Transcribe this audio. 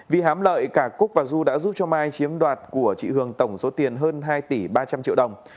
vì hám lợi cả cúc và du đã giúp cho mai chiếm đoạt của chị hường tổng số tiền hơn hai tỷ ba trăm linh triệu đồng